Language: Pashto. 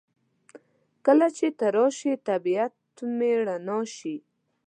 کله چې ته راشې طبیعت مې رڼا شي.